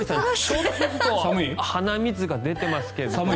ちょっと鼻水が出てますけど。